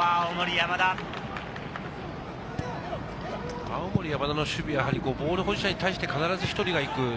青森山田の守備はボール保持者に対して必ず１人が行く。